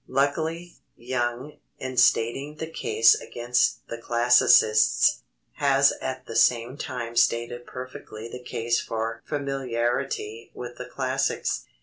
Luckily, Young, in stating the case against the classicists, has at the same time stated perfectly the case for familiarity with the classics.